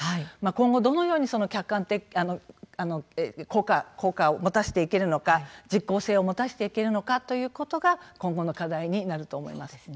今後どのように効果を持たしていけるのか実効性を持たしていけるのかということが今後の課題になると思います。